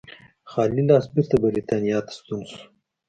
خالي لاس بېرته برېټانیا ته ستون شو.